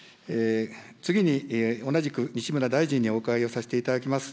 次に、同じく西村大臣にお伺いをさせていただきます。